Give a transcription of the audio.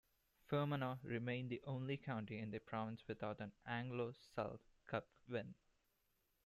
Fermanagh remain the only county in the province without an Anglo-Celt Cup win.